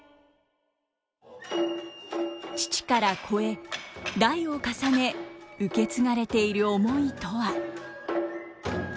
父から子へ代を重ね受け継がれている思いとは。